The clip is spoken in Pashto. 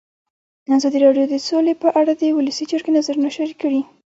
ازادي راډیو د سوله په اړه د ولسي جرګې نظرونه شریک کړي.